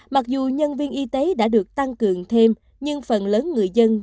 mặc dù nhân viên y tế đã được tăng cường thêm nhưng phần lớn người dân